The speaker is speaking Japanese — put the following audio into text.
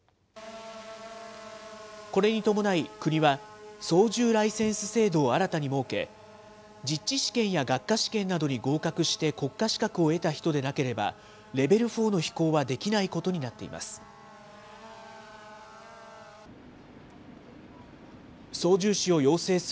これに伴い、国は操縦ライセンス制度を新たに設け、実地試験や学科試験などに合格して国家資格を得た人でなければ、レベル４の飛行はできないことになっています。